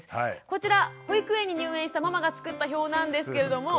こちら保育園に入園したママが作った表なんですけれども。